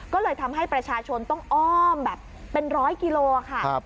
ก็เลยทำให้ประชาชนต้องอ้อมแบบเป็นร้อยกิโลค่ะ